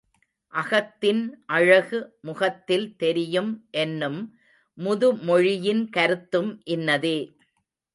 அகத்தின் அழகு முகத்தில் தெரியும் என்னும் முதுமொழியின் கருத்தும் இன்னதே.